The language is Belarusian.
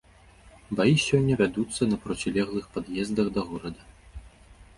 Баі сёння вядуцца на процілеглых пад'ездах да горада.